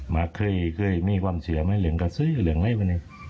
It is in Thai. มะเคยมีความเสียไหมเรื่องกระสือเรื่องอะไรแบบนี้